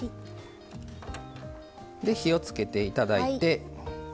火をつけていただいて。